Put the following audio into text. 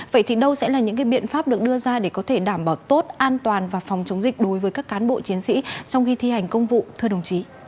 vậy thì đâu sẽ là những biện pháp được đưa ra để có thể đảm bảo tốt an toàn và phòng chống dịch đối với các cán bộ chiến sĩ trong khi thi hành công vụ thưa đồng chí